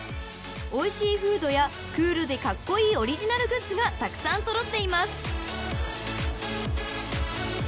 ［おいしいフードやクールでカッコイイオリジナルグッズがたくさん揃っています］